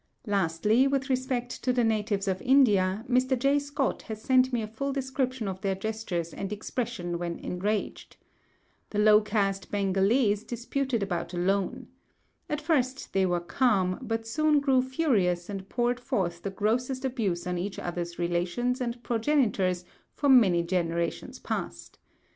Lastly, with respect to the natives of India, Mr. J. Scott has sent me a full description of their gestures and expression when enraged. Two low caste Bengalees disputed about a loan. At first they were calm, but soon grew furious and poured forth the grossest abuse on each other's relations and progenitors for many generations past.